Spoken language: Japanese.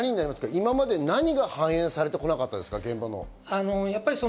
今まで何が反映されてこなかったですか？